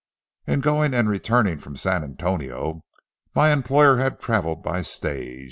In going and returning from San Antonio my employer had traveled by stage.